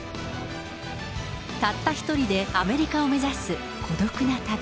たった１人でアメリカを目指す孤独な旅。